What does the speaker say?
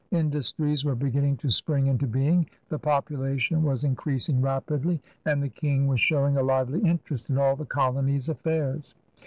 Industries were beginning to spring mto being, the population was increasing rapidly, and the King was showing a lively interest in all the colony's affairs.